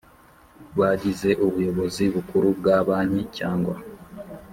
Bagize ubuyobozi bukuru bwa banki cyangwa